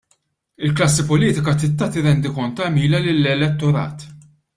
Il-klassi politika trid tagħti rendikont ta' għemilha lill-elettorat.